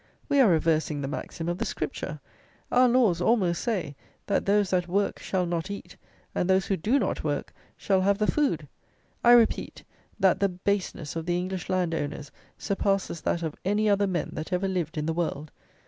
We are reversing the maxim of the Scripture: our laws almost say, that those that work shall not eat, and that those who do not work shall have the food. I repeat, that the baseness of the English land owners surpasses that of any other men that ever lived in the world.